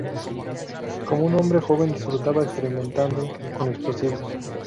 Como un hombre joven disfrutaba experimentando con explosivos.